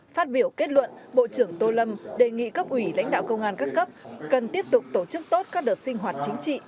phát biểu kết luận bộ trưởng tô lâm đề nghị cấp ủy lãnh đạo công an các cấp cần tiếp tục tổ chức tốt các đợt sinh hoạt chính trị